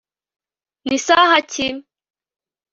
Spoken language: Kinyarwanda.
nisaha ki